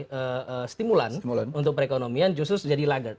sebagai stimulan untuk perekonomian justru menjadi lagat